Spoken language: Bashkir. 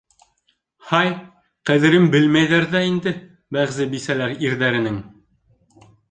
Һай, ҡәҙерен белмәйҙәр ҙә инде бәғзе бисәләр ирҙәренең.